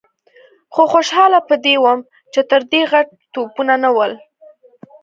خو خوشاله په دې وم چې تر دې غټ توپونه نه ول.